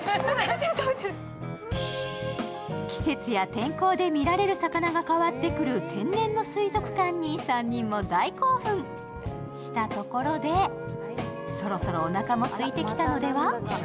季節や天候で見られる魚が変わってくる天然の水族館に３人も大興奮したところで、そろそろおなかもすいてきたのでは？